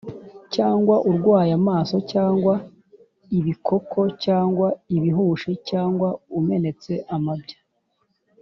cyangwa urwaye amaso cyangwa ibikoko cyangwa ibihushi cyangwa umenetse amabya